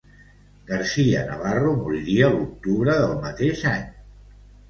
García Navarro moriria l'octubre del mateix any.